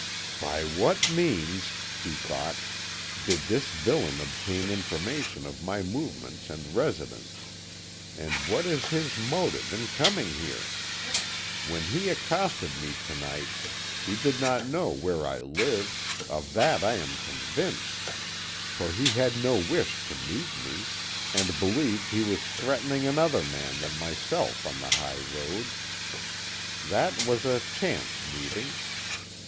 "By what means," he thought, "did this villain obtain information of my movements and residence, and what is his motive in coming here? When he accosted me tonight he did not know where I lived of that I am convinced, for he had no wish to meet me, and believed he was threatening another man than myself on the high road. That was a chance meeting.